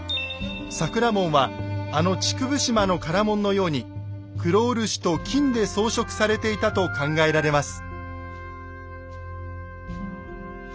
桜門はあの竹生島の唐門のように黒漆と金で装飾されていたと考えられます。